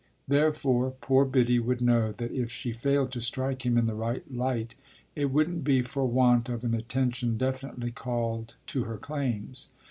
Therefore poor Biddy would know that if she failed to strike him in the right light it wouldn't be for want of an attention definitely called to her claims.